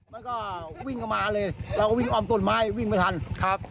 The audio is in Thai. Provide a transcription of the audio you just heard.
มันก็วิ่งเข้ามาเลยเราก็วิ่งอ้อมต้นไม้วิ่งไม่ทันครับ